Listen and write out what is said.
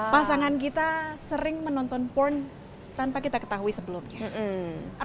pasangan kita sering menonton pon tanpa kita ketahui sebelumnya